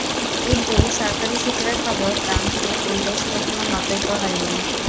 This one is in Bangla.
কিন্তু সরকারি সূত্রের খবর, দাম নিয়ে দুই দেশের এখনো মতৈক্য হয়নি।